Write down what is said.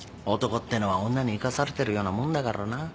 男ってのは女に生かされてるようなもんだからな。